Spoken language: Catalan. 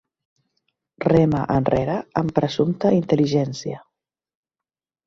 Rema enrere amb presumpta intel·ligència.